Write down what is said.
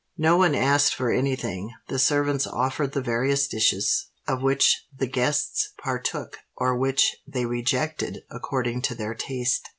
No one asked for any thing: the servants offered the various dishes, of which the guests partook or which they rejected according to their taste.